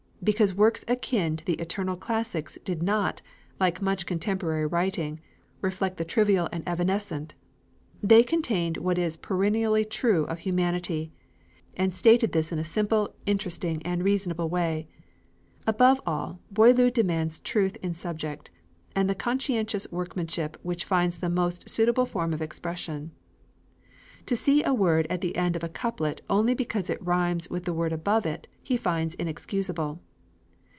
Because works akin to the eternal classics did not, like much contemporary writing, reflect the trivial and evanescent. They contained what is perennially true of humanity; and stated this in a simple, interesting, and reasonable way. Above all, Boileau demands truth in subject, and the conscientious workmanship which finds the most suitable form of expression. To see a word at the end of a couplet only because it rhymes with the word above it, he finds inexcusable.